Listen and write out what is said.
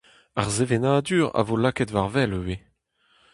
Ar sevenadur a vo lakaet war-wel ivez.